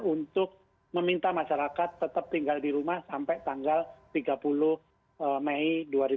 untuk meminta masyarakat tetap tinggal di rumah sampai tanggal tiga puluh mei dua ribu dua puluh